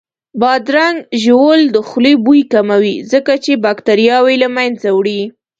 بادرنګ ژوول د خولې بوی کموي ځکه چې باکتریاوې له منځه وړي